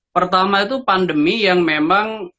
pertama itu pandemi yang memang